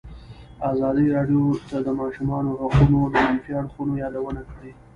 ازادي راډیو د د ماشومانو حقونه د منفي اړخونو یادونه کړې.